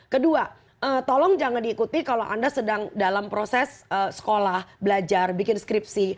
kedua tolong jangan diikuti kalau anda sedang dalam proses sekolah belajar bikin skripsi